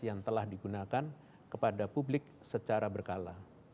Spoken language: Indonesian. yang telah digunakan kepada publik secara berkala